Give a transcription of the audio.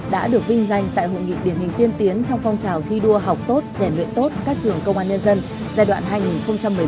đã được vinh danh tại hội nghị điển hình tiên tiến trong phong trào thi đua học tốt rèn luyện tốt các trường công an nhân dân giai đoạn hai nghìn một mươi sáu hai nghìn hai mươi